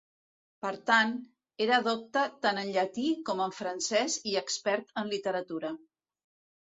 Per tant, era docte tant en llatí com en francès i expert en literatura.